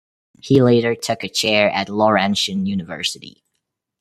He later took a chair at Laurentian University.